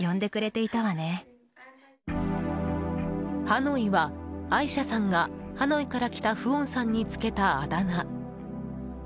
ハノイは、アイシャさんがハノイから来たフオンさんにつけた、あだ名。